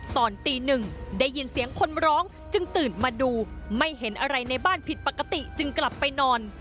ตอนตีหนึ่งได้ยินเสียงคนร้องจึงตื่นมาดูไม่เห็นอะไรในบ้านผิดปกติจึงกลับไปนอน